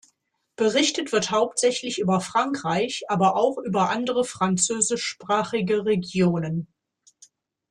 Berichtet wird hauptsächlich über Frankreich, aber auch über andere französischsprachige Regionen.